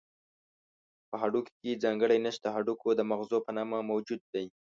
په هډوکو کې ځانګړی نسج د هډوکو د مغزو په نامه موجود دی.